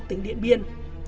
tỉnh điện biên